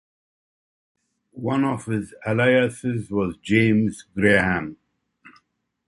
One of his aliases was James Graham.